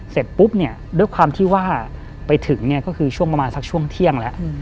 เสร็จปุ๊บเนี่ยด้วยความที่ว่าไปถึงเนี่ยก็คือช่วงประมาณสักช่วงเที่ยงแล้ว